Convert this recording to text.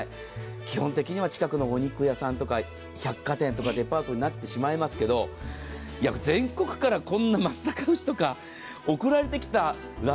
基本的には近くのお肉屋さんとか百貨店とかデパートになってしまいますが全国からこんな松阪牛とか送られてきたら。